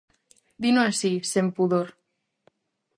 Dino así, sen pudor.